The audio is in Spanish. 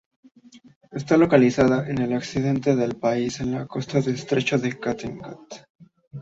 Está localizada en el occidente del país, en la costa del estrecho de Kattegat.